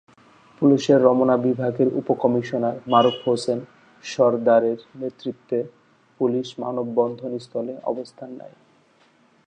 পুলিশের রমনা বিভাগের উপকমিশনার মারুফ হোসেন সরদারের নেতৃত্বে পুলিশ মানববন্ধনস্থলে অবস্থান নেয়।